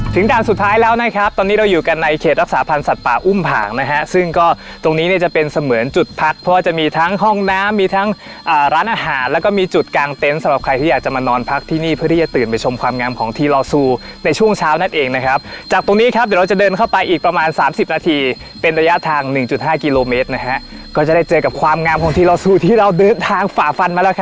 ถึงทางสุดท้ายแล้วนะครับตอนนี้เราอยู่กันในเขตรักษาพันธ์สัตว์ป่าอุ้มผ่างนะฮะซึ่งก็ตรงนี้เนี่ยจะเป็นเสมือนจุดพักเพราะว่าจะมีทั้งห้องน้ำมีทั้งร้านอาหารแล้วก็มีจุดกางเต้นสำหรับใครที่อยากจะมานอนพักที่นี่เพื่อที่จะตื่นไปชมความงามของทีลอซูในช่วงเช้านั่นเองนะครับจากตรงนี้ครับเดี๋ยวเรา